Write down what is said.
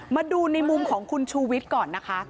มาดูในมุมของคุณชูวิทย์ก่อนนะคะ